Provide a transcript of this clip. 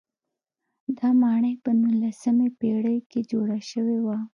دا ماڼۍ په نولسمې پېړۍ کې جوړه شوې وه.